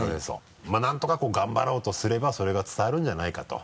まぁ何とかこう頑張ろうとすればそれが伝わるんじゃないかと。